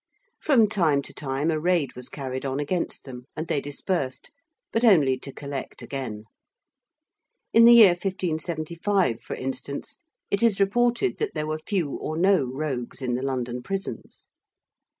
From time to time a raid was carried on against them, and they dispersed, but only to collect again. In the year 1575, for instance, it is reported that there were few or no rogues in the London prisons.